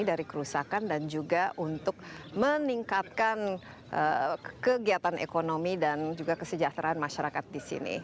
dari kerusakan dan juga untuk meningkatkan kegiatan ekonomi dan juga kesejahteraan masyarakat di sini